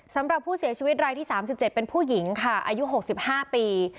สำหรับผู้เสียชีวิตรายที่๓๗เป็นผู้หญิงค่ะอายุ๖๕ปี